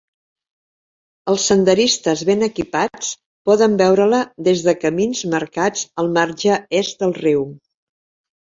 Els senderistes ben equipats poden veure-la des de camins marcats al marge est del riu.